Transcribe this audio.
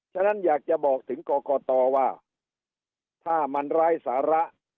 ฉะนั้นอยากจะบอกถึงกรกตว่าถ้ามันไร้สาระ